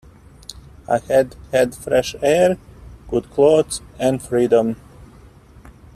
I had had fresh air, good clothes, and freedom.